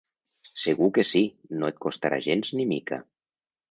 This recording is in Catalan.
Segur que sí, no et costarà gens ni mica.